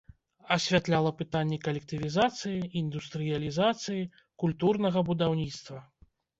Асвятляла пытанні калектывізацыі, індустрыялізацыі, культурнага будаўніцтва.